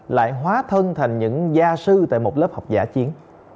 lại hóa thân thành những gia sư tại một lớp học giả chiến